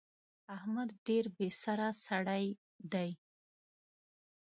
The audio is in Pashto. احمد ډېر بې سره سړی دی.